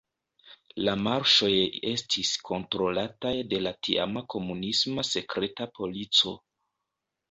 La marŝoj estis kontrolataj de la tiama komunisma sekreta polico.